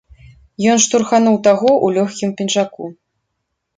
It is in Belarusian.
Ён штурхануў таго ў лёгкім пінжаку.